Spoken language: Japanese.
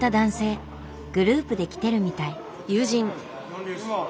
グループで来てるみたい。